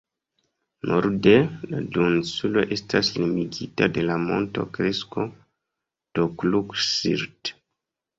Norde la duoninsulo estas limigita de la monto-kresto "Tokluk-Sirt".